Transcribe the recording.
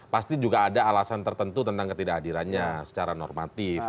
pasti juga ada alasan tertentu tentang ketidakhadirannya secara normatif